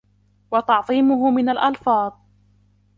وَتَعْظِيمُهُ مِنْ الْأَلْفَاظِ